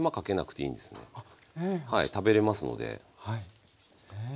食べれますので。